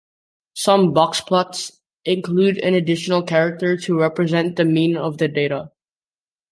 Some box plots include an additional character to represent the mean of the data.